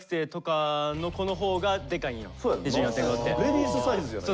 レディースサイズやない？